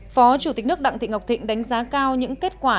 phó chủ tịch nước đặng thị ngọc thịnh đánh giá cao những kết quả